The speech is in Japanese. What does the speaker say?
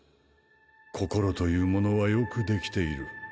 心というものはよく出来ている。